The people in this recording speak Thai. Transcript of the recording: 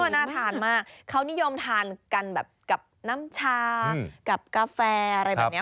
น่าทานมากเขานิยมทานกันแบบกับน้ำชากับกาแฟอะไรแบบนี้